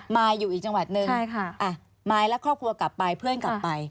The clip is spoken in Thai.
มายและครอบครัวกลับไปเพื่อนกลับไป